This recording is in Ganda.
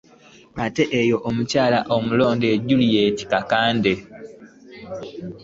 Ate ye omubaka omukyala omulonde ye Juliet Kakande